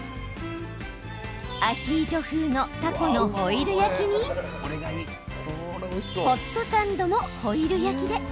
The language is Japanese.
アヒージョ風のタコのホイル焼きにホットサンドもホイル焼きで。